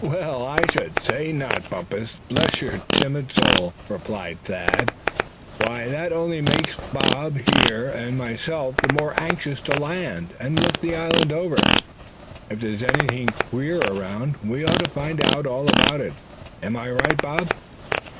"Well, I should say not, Bumpus, bless your timid soul," replied Thad, laughingly. "Why, that only makes Bob here and myself the more anxious to land, and look the island over. If there's anything queer around, we ought to find out all about it. Am I right, Bob?"